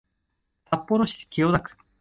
札幌市清田区